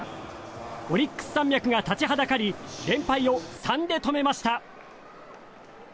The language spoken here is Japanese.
オリックス山脈が立ちはだかり連敗を３で止めました。